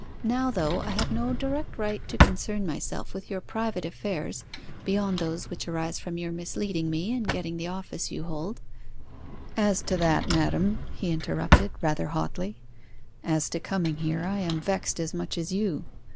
'Now, though I have no direct right to concern myself with your private affairs (beyond those which arise from your misleading me and getting the office you hold) ' 'As to that, madam,' he interrupted, rather hotly, 'as to coming here, I am vexed as much as you.